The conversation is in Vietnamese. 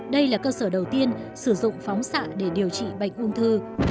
đây là cơ sở đầu tiên sử dụng phóng xạ để điều trị bệnh ung thư